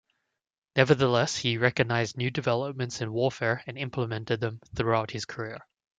Nevertheless, he recognized new developments in warfare and implemented them throughout his career.